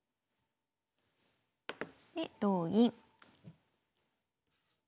で同銀。